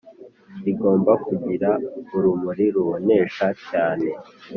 rigomba kugira urumuri rubonesha cyane